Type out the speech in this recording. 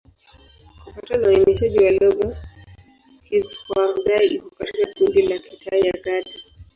Kufuatana na uainishaji wa lugha, Kizhuang-Dai iko katika kundi la Kitai ya Kati.